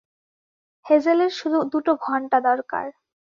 হ্যাজেলের শুধু দুটো ঘন্টা দরকার।